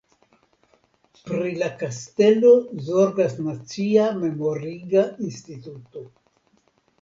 Pri la kastelo zorgas Nacia memoriga instituto.